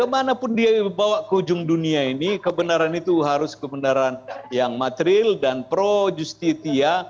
kemanapun dia dibawa ke ujung dunia ini kebenaran itu harus kebenaran yang material dan pro justitia